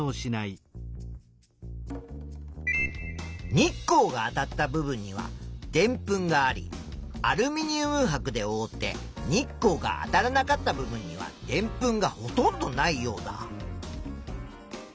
日光があたった部分にはでんぷんがありアルミニウムはくでおおって日光があたらなかった部分にはでんぷんがほとんどないヨウダ。